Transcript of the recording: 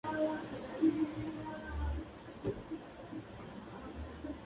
No se permite tener ninguna clase de perros en la isla.